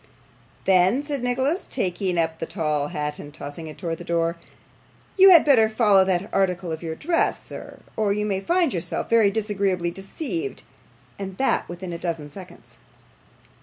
'Then,' said Nicholas, taking up the tall hat and tossing it towards the door, 'you had better follow that article of your dress, sir, or you may find yourself very disagreeably deceived, and that within a dozen seconds.